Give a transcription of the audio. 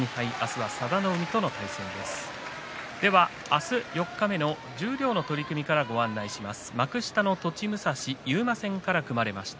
明日、四日目の十両の取組からご案内します。